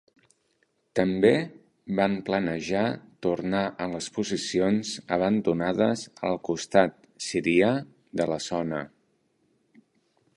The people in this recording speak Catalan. També van planejar tornar a les posicions abandonades al costat sirià de la zona.